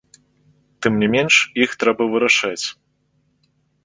Тым не менш іх трэба вырашаць.